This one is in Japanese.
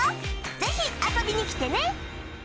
ぜひ遊びに来てね